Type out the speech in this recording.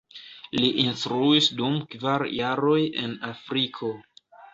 Li instruis dum kvar jaroj en Afriko.